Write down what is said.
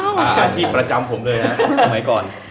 ๔ครับ๑๒๓๔อาชีพประจำผมเลยนะเอาใหม่ก่อน